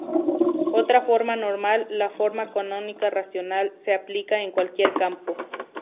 Otra forma normal, la forma canónica racional, se aplica en cualquier campo.